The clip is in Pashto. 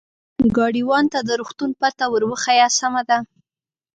ګاډیوان ته د روغتون پته ور وښیه، سمه ده.